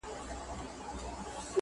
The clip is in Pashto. له اوربشو چا غنم نه دي رېبلي!!